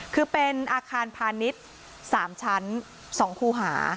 คือเป็นอาคารพาณิชย์๓ชั้น๒คูหา